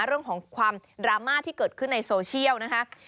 เรื่องของความดราม่าที่เกิดขึ้นในโซเชียลนะคะ